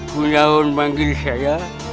punahun manggil saya